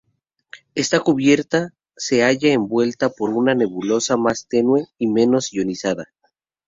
Esta cubierta se halla envuelta por una nebulosa más tenue y menos ionizada.